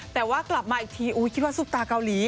แต่ว่ากลับมาอีกทีคิดว่าซุปตาเกาหลี